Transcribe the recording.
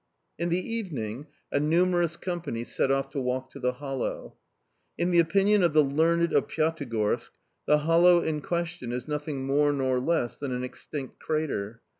In the evening, a numerous company set off to walk to the hollow. In the opinion of the learned of Pyatigorsk, the hollow in question is nothing more nor less than an extinct crater.